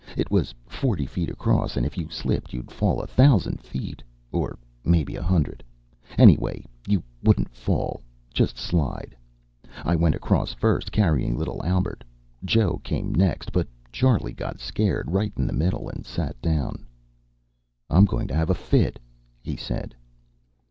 It was forty feet across, and if you slipped you'd fall a thousand feet, or mebbe a hundred. Anyway, you wouldn't fall just slide. I went across first, carrying little Albert. Joe came next. But Charley got scared right in the middle and sat down. "I'm going to have a fit," he said.